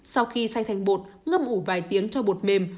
sau khi say thành bột ngâm ủ vài tiếng cho bột mềm